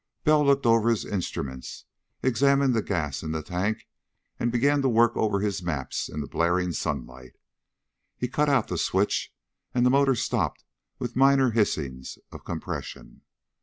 Bell looked over his instruments, examined the gas in the tank, and began to work over his maps in the blaring sunlight. He cut out the switch and the motor stopped with minor hissings of compression.